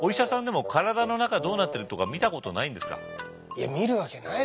いや見るわけないだろう。